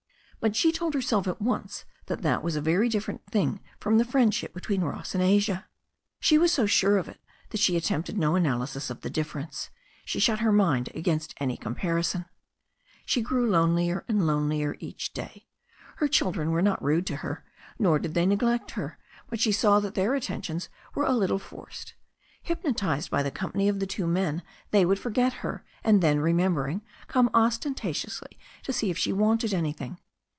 But she told herself at once that that was a very different thing from the friendship between Ross and Asia. She was so sure of it that she attempted no analysis of the difference. She shut her mind against any comparison. She grew lonelier and lonelier each day. Her children were not rude to her, nor did they neglect her, but she saw that their attentions were a little forced. Hypnotized by the company of the two men they would forget her, and then, remembering, come ostentatiously to see if she wanted anything.